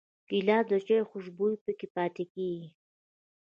ګیلاس د چايو خوشبويي پکې پاتې کېږي.